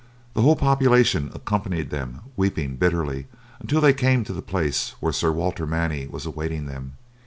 The whole population accompanied them weeping bitterly until they came to the place where Sir Walter Manny was awaiting them.